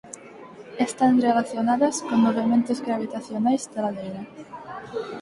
Están relacionadas con movementos gravitacionais de ladeira.